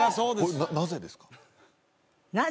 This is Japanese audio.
なぜですか？